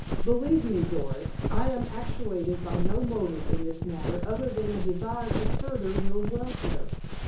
Believe me, Doris, I am actuated by no motive in this matter other than a desire to further your welfare.